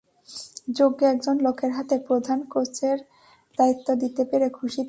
যোগ্য একজন লোকের হাতে প্রধান কোচের দায়িত্ব দিতে পেরে খুশি তিনি।